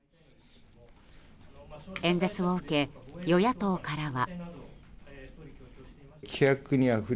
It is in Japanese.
演説を受け、与野党からは。